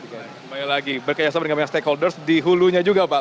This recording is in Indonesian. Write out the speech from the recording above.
kembali lagi bekerjasama dengan stakeholders di hulunya juga pak